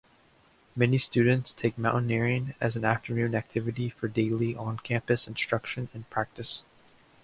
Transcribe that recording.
Many students take mountaineering as an afternoon activity for daily on-campus instruction and practice.